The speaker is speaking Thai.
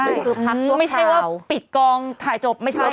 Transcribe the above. ใช่คือพักช่วงเช้าไม่ใช่ว่าปิดกองถ่ายจบไม่ใช่นะฮะ